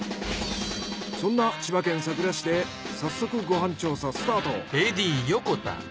そんな千葉県佐倉市で早速ご飯調査スタート。